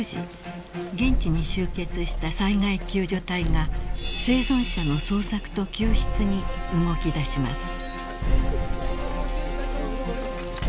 ［現地に集結した災害救助隊が生存者の捜索と救出に動きだします］